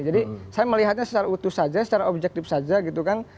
jadi saya melihatnya secara utuh saja secara objektif saja gitu kan